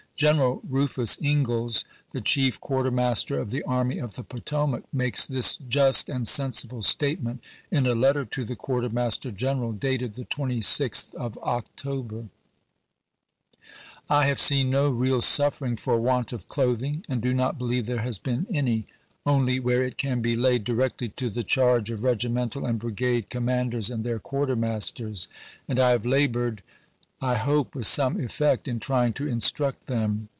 General Rufus Ingalls, the Chief Quartermaster of the Army of the Potomac, makes this just and sensible statement in a letter to the Quartermaster General dated the 1862. 26th of October : I have seen no real suffering for want of clothing, and do not believe there has been any, only where it can be laid directly to the charge of regimental and brigade commanders and their quartermasters, and I have labored, I hope with some effect, in trying to instruct them.